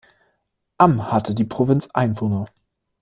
Am hatte die Provinz Einwohner.